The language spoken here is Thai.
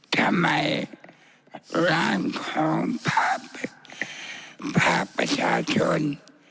ทำไมร่างของภาคประชาชน